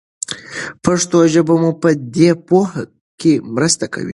پښتو ژبه مو په دې پوهه کې مرسته کوي.